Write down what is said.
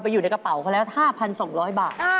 อยู่ในกระเป๋าเขาแล้ว๕๒๐๐บาท